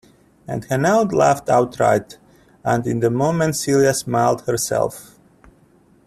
And Hanaud laughed outright, and in a moment Celia smiled herself.